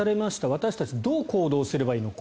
私たちはどう行動すればいいのか。